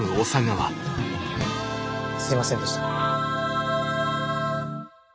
すいませんでした。